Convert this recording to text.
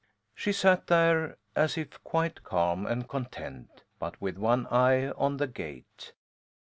She sat there as if quite calm and content, but with one eye on the gate.